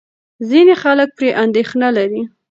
ځینې خلک پرې اندېښنه لري.